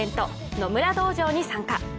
野村道場に参加。